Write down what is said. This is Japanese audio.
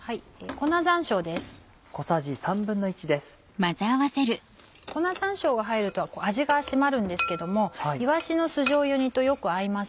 粉山椒が入ると味が締まるんですけどもいわしの酢じょうゆ煮とよく合います。